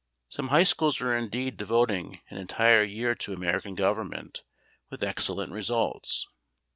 Some high schools are indeed devoting an entire year to American Government with excellent results.